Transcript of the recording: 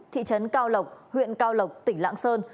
thị trấn cao lộc huyện cao lộc tỉnh lạng sơn